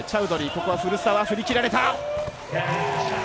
ここは古澤振り切られた！